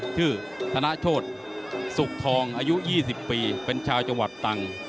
ธนโชธสุขทองอายุ๒๐ปีเป็นชาวจังหวัดตรัง